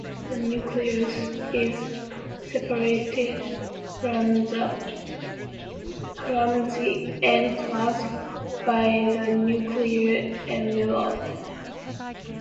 The nucleus is separated from the endoplasm by the nuclear envelope.